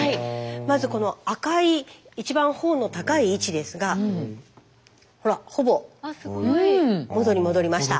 まずこの赤い一番頬の高い位置ですがほらほぼ元に戻りました。